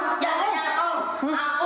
kok cepet kayak begitu